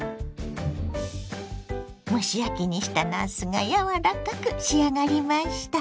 蒸し焼きにしたなすが柔らかく仕上がりました。